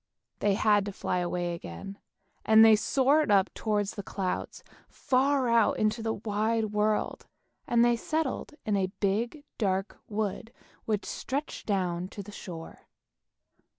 They had to fly away again, and they soared up towards the clouds, far out into the wide world, and they settled in a big, dark wood, which stretched down to the shore.